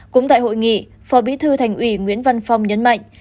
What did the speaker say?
cũng tại hội nghị phó bí thư thành ủy nguyễn văn phong nhấn mạnh